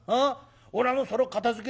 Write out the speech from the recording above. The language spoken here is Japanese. おらもそれを片づけ